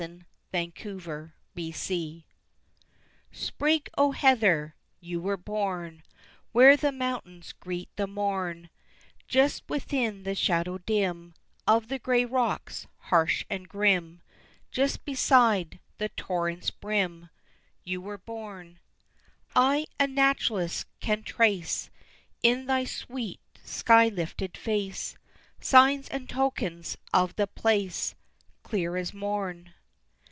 ] Heather White Sprig o' heather, you were born Where the mountains greet the morn, Just within the shadow dim Of the grey rocks harsh and grim, Just beside the torrent's brim, You were born; I, a naturalist, can trace In thy sweet sky lifted face, Signs and tokens of the place Clear as morn.